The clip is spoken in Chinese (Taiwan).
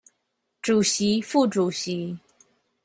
主席副主席